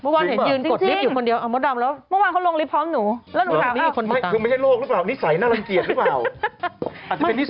มุกวานเห็นยืนกดลิฟต์อยู่คนเดียวมุกวานเขาลงลิฟต์พร้อมหนูแล้วหนูถามว่าคือไม่ใช่โรคหรือเปล่านิสัยน่ารังเกียจหรือเปล่า